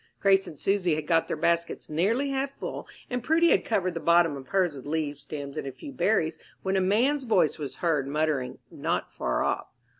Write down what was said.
Grace and Susy had got their baskets nearly half full, and Prudy had covered the bottom of hers with leaves, stems, and a few berries, when a man's voice was heard muttering, not far off.